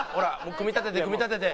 組み立てて組み立てて。